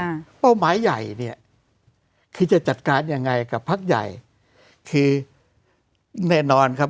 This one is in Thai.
เป้าหมายใหญ่เนี้ยคือจะจัดการยังไงกับพักใหญ่คือแน่นอนครับ